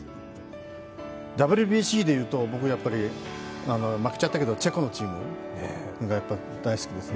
ＷＢＣでいうと僕やっぱり負けちゃったけどチェコのチームが大好きですね。